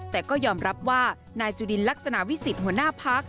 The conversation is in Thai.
แต่ก็ยอมรับว่านายจุลินลักษณะวิสิทธิหัวหน้าพัก